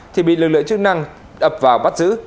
thì bị lực lượng chức năng ập vào bắt giữ